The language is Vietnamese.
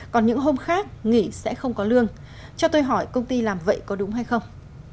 còn những hôm khác nghỉ sẽ không có lương cho tôi hỏi công ty làm vậy có đúng hay không